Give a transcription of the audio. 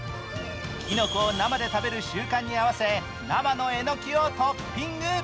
きのこを生で食べる習慣に合わせ、生のえのきをトッピング。